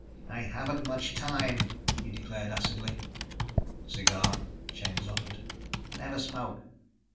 "I haven't much time," he declared acidly. "Cigar?" Chambers offered. "Never smoke."